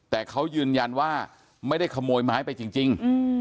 แต่เขายืนยันว่าไม่ได้ขโมยไม้ไปจริง